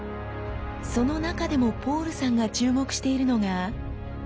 その中でもポールさんが注目しているのが。